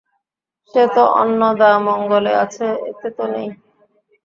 সে তো অন্নদামঙ্গলে আছে, এতে তো নেই?